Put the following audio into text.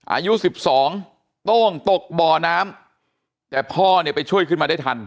อายุสิบสองโต้งตกบ่อน้ำแต่พ่อเนี่ยไปช่วยขึ้นมาได้ทัน